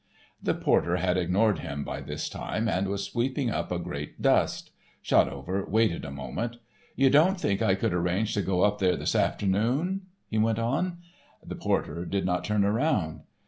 The porter had ignored him by this time, and was sweeping up a great dust. Shotover waited a moment. "You don't think I could arrange to get up there this afternoon?" he went on. The porter did not turn around.